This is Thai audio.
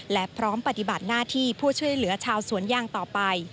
และพร้อมปฏิบัติหน้าที่ผู้ช่วยเหลือชาวสวนยางต่อไป